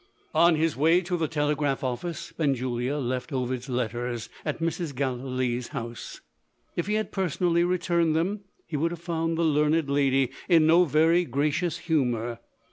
On his way to the telegraph office, Benjulia left Ovid's letters at Mrs. Gallilee's house. If he had personally returned them, he would have found the learned lady in no very gracious humour.